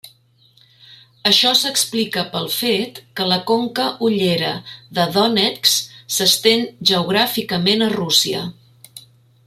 Això s'explica pel fet que la conca hullera de Donetsk s'estén geogràficament a Rússia.